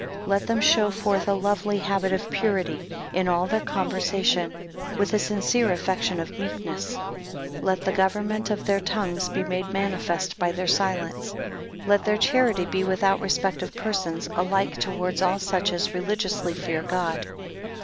9 Let them show forth a lovely habit of purity, in all their conversation; with a sincere affection of meekness. 10 Let the government of their tongues be made manifest by their silence. 11 Let their charity be without respect of persons, alike towards all such as religiously fear God.